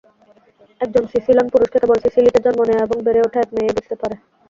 একজন সিসিলান পুরুষকে কেবল সিসিলিতে জন্ম নেয়া এবং বেড়ে ওঠা এক মেয়েই বুঝতে পারে।